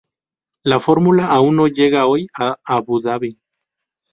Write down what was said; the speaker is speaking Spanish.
La fórmula uno llega hoy a Abudabí